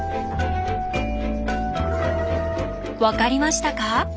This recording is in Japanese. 分かりましたか？